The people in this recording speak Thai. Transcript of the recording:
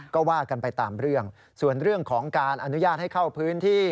ก็ว่ากันไปตามเรื่องส่วนเรื่องของการอนุญาตให้เข้าพื้นที่